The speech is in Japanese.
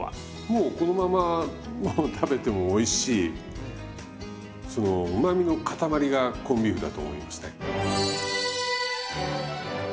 もうこのままもう食べてもおいしいそのうまみのかたまりがコンビーフだと思いますね。